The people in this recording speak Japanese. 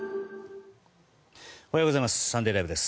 おはようございます。